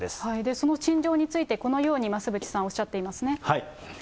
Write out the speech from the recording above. その陳情について、このように増渕さんおっしゃっていますね。